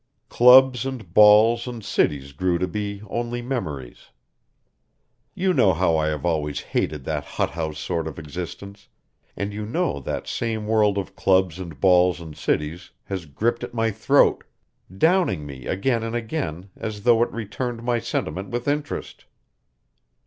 Clubs and balls and cities grew to be only memories. You know how I have always hated that hothouse sort of existence, and you know that same world of clubs and balls and cities has gripped at my throat, downing me again and again, as though it returned my sentiment with interest.